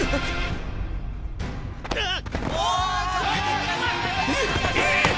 あっ！